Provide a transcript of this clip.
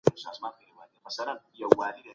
منظم ساتنه تر ټولو ښه لار ده.